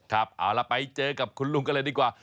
ครับเอาล่ะไปเจอกับคุณลุงกันเลยดีกว่า